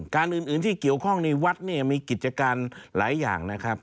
การอื่นที่เกี่ยวข้องในวัดเนี่ยมีกิจการหลายอย่างนะครับ